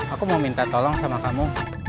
aku mau minta tolong sama kamu